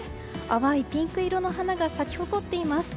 淡いピンク色の花が咲き誇っています。